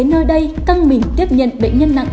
nơi đây căng mình tiếp nhận bệnh nhân nặng